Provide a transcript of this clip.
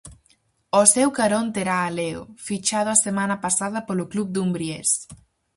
Ao seu carón terá a Leo, fichado a semana pasada polo club dumbriés.